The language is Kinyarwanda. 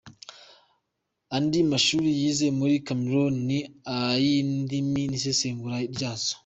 Andi mashuri yize muri Cameroun, ni ay’indimi n’isesengura ryazo.